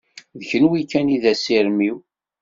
D kenwi kan i d asirem-iw.